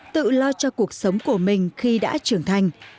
tự lo cho cuộc sống của mình khi đã trưởng thành